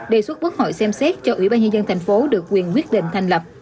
đề xuất quốc hội xem xét cho ủy ban nhân dân tp hcm được quyền quyết định thành lập